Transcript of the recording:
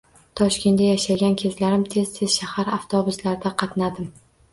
Toshkentda yashagan kezlarim tez-tez shahar avtobuslarida qatnadim